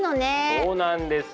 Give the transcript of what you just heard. そうなんです。